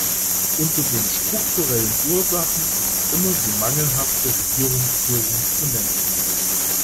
Unter den strukturellen Ursachen ist immer die mangelhafte Regierungsführung zu nennen.